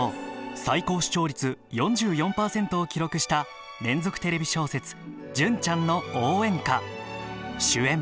最高視聴率４４％を記録した連続テレビ小説「純ちゃんの応援歌」